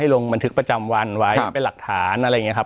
ลงบันทึกประจำวันไว้เป็นหลักฐานอะไรอย่างนี้ครับ